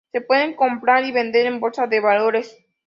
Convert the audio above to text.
Se pueden comprar y vender en bolsa de valores.